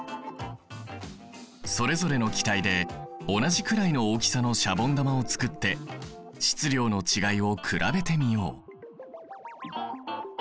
それぞれの気体で同じくらいの大きさのシャボン玉を作って質量の違いを比べてみよう。